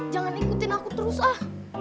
jangan ikutin aku terus ah